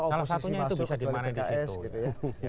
salah satunya itu bisa dimanen di situ ya